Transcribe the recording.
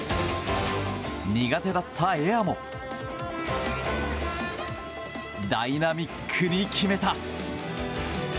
苦手だったエアもダイナミックに決めた！